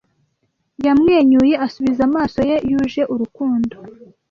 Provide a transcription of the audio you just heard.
Yamwenyuye asubiza amaso ye yuje urukundo.